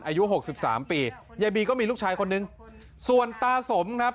หกสิบสามปียายบีก็มีลูกชายคนนึงส่วนตาสมครับ